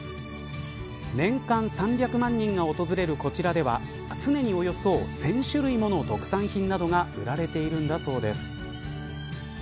年間３００万人が訪れるこちらでは常におよそ１０００種類もの特産品などが売られているんだそうです。